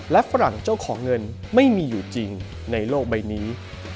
และฝรั่งเจ้าของเงินไม่มีอยู่จริงในโลกใบนี้